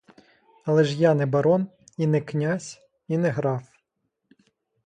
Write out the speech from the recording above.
Але ж я не барон, і не князь, і не граф.